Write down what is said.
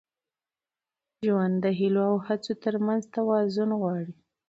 ژوند د هیلو او هڅو تر منځ توازن غواړي.